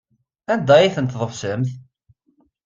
Anda ay tent-tḍefsemt?